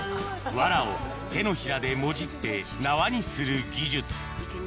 わらを手のひらでもじって縄にする技術